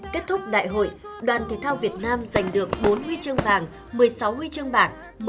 kết thúc đại hội đoàn thể thao việt nam giành được bốn huy chương vàng một mươi sáu huy chương bạc